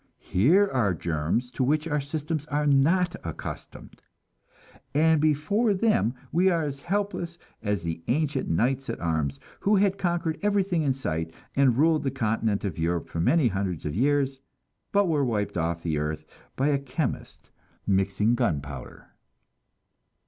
Here are germs to which our systems are not accustomed; and before them we are as helpless as the ancient knights at arms, who had conquered everything in sight, and ruled the continent of Europe for many hundreds of years, but were wiped off the earth by a chemist mixing gunpowder.